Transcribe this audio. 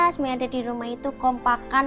semua yang ada di rumah itu kompakan